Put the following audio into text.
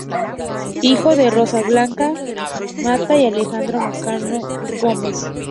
Hijo de Rosa Blanca Mata y Alejandro Marcano Gómez.